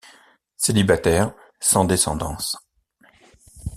Célibataire, sans descendance.